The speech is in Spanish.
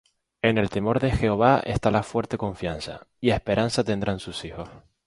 En el temor de Jehová está la fuerte confianza; Y esperanza tendrán sus hijos.